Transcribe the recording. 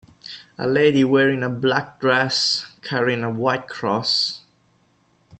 a lady wearing a black dress carrying a white cross